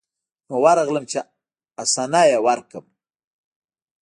نو ورغلم چې حسنه يې ورکړم.